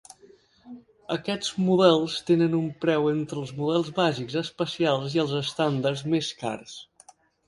Aquests models tenen un preu entre els model bàsics especials i els estàndards més cars.